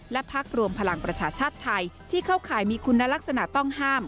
และพักรวมพลังประชาชาติไทยที่เข้าข่ายมีคุณลักษณะต้องห้าม